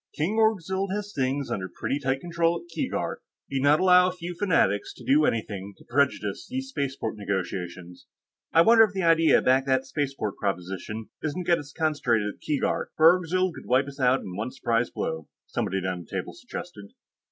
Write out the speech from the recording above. "King Orgzild has things under pretty tight control at Keegark. He'd not allow a few fanatics to do anything to prejudice these spaceport negotiations." "I wonder if the idea back of that spaceport proposition isn't to get us concentrated at Keegark, where Orgzild could wipe us all out in one surprise blow," somebody down the table suggested.